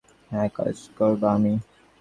মরে গেলেও একাজ করব না আমি।